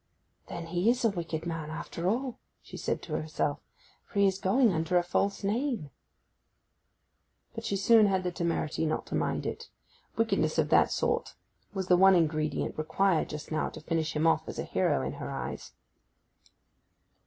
'Then he is a wicked man after all!' she said to herself; 'for he is going under a false name.' But she soon had the temerity not to mind it: wickedness of that sort was the one ingredient required just now to finish him off as a hero in her eyes.